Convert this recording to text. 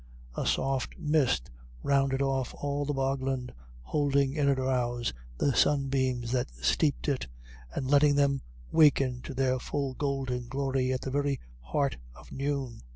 A soft mist rounded off all the bogland, holding in a drowse the sunbeams that steeped it, and letting them waken to their full golden glory at the very heart of noon.